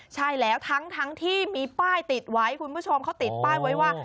ใช่แล้วทั้งที่มีป้ายติดไว้คุณผู้ชมเขาติดป้ายไว้ว่า